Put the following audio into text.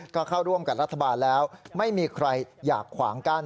ก็เข้าร่วมกับรัฐบาลแล้วไม่มีใครอยากขวางกั้น